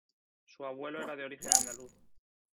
Su abuelo era de origen andaluz.